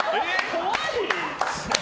怖い！